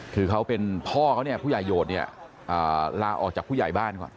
คือเขาเป็นพ่อเขาเนี่ยผู้ใหญ่โหดเนี่ยลาออกจากผู้ใหญ่บ้านก่อน